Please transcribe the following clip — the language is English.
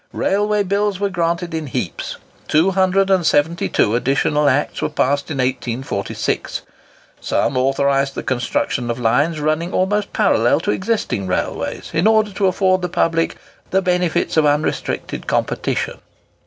Railway Bills were granted in heaps. Two hundred and seventy two additional Acts were passed in 1846. Some authorised the construction of lines running almost parallel to existing railways, in order to afford the public "the benefits of unrestricted competition."